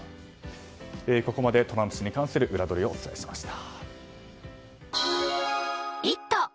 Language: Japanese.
ここまでトランプ氏に関するウラどりをお伝えしました。